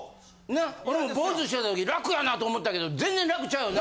俺も坊主した時楽やなと思ったけど全然楽ちゃうよね。